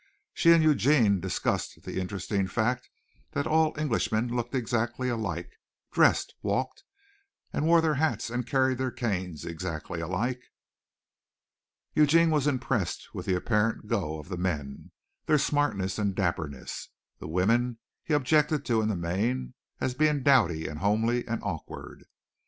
She and Eugene discussed the interesting fact that all Englishmen looked exactly alike, dressed, walked, and wore their hats and carried their canes exactly alike. Eugene was impressed with the apparent "go" of the men their smartness and dapperness. The women he objected to in the main as being dowdy and homely and awkward.